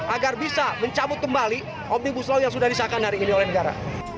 agar bisa mencabut kembali omnibus law yang sudah disahkan hari ini oleh negara